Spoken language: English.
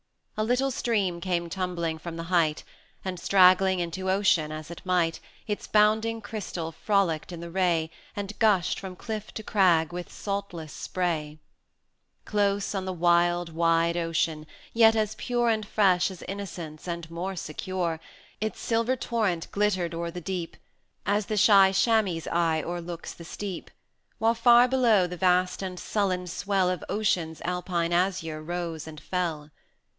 A little stream came tumbling from the height, And straggling into ocean as it might, Its bounding crystal frolicked in the ray, And gushed from cliff to crag with saltless spray; Close on the wild, wide ocean, yet as pure And fresh as Innocence, and more secure, Its silver torrent glittered o'er the deep, As the shy chamois' eye o'erlooks the steep, 70 While far below the vast and sullen swell Of Ocean's alpine azure rose and fell.